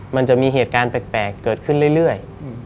มันจะมีเหตุการณ์แปลกเกิดขึ้นเรื่อย